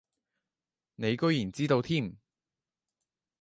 你居然知道添